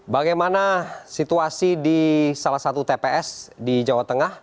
bagaimana situasi di salah satu tps di jawa tengah